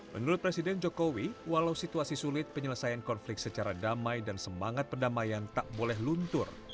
menurut presiden jokowi walau situasi sulit penyelesaian konflik secara damai dan semangat perdamaian tak boleh luntur